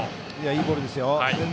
いいボールですよ。